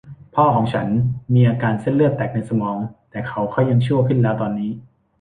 พ่อของฉันมีอาการเส้นเลือดแตกในสมอง แต่เขาค่อยยังชั่วขึ้นแล้วตอนนี้